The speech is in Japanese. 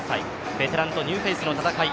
ベテランとニューフェイスの戦い